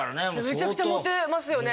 めちゃくちゃモテますよね。